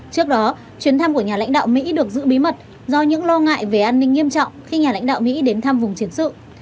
trước đó chuyến thăm của nhà lãnh đạo mỹ được giữ bí mật do những lo ngại về an ninh nghiêm trọng khi nhà lãnh đạo mỹ đến thăm vùng chiến sự